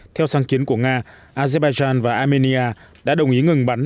theo sáng kiến của nga azerbaijan và armenia đã đồng ý ngừng bắn